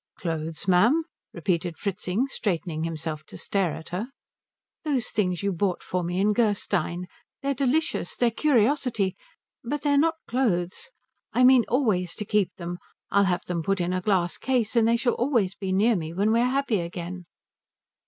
"Clothes, ma'am?" repeated Fritzing, straightening himself to stare at her. "Those things you bought for me in Gerstein they're delicious, they're curiosities, but they're not clothes. I mean always to keep them. I'll have them put in a glass case, and they shall always be near me when we're happy again."